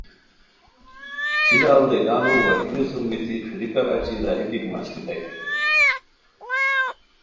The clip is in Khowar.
ݯھیرا ڑیگانو وشلیو سُم بیتی ٹھووریکار اچی راہی بیک مݰکیتائے